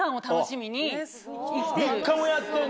３日もやってんの？